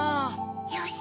よし！